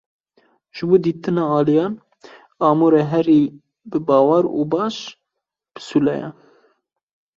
Ji bo dîtina aliyan, amûra herî bibawer û baş, pisûle ye.